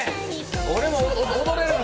俺も踊れるわ。